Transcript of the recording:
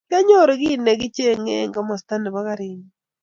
Kianyoru kiy nekichenge eng komasta nebo karinyu